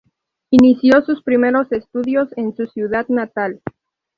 Inició sus primeros estudios en su ciudad natal.